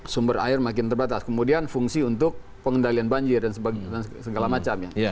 sumber air makin terbatas kemudian fungsi untuk pengendalian banjir dan segala macam